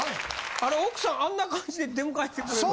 あれ奥さんあんな感じで出迎えてくれるわけ？